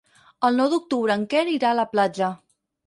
El nou d'octubre en Quer irà a la platja.